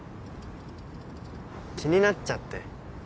気になっちゃって。